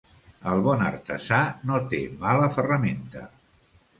El bon artesà no té mala ferramenta.